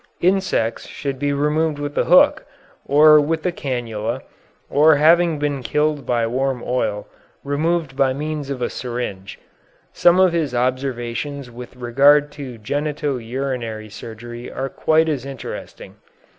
Insects should be removed with a hook, or with a canula, or, having been killed by warm oil, removed by means of a syringe. Some of his observations with regard to genito urinary surgery are quite as interesting.